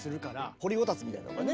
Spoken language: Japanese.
掘りごたつみたいなところね。